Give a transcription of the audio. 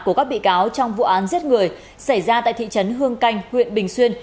của các bị cáo trong vụ án giết người xảy ra tại thị trấn hương canh huyện bình xuyên